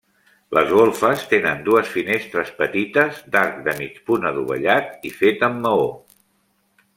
Les golfes tenen dues finestres petites d'arc de mig punt adovellat i fet amb maó.